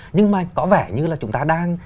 nhưng mà có vẻ như là chúng ta đang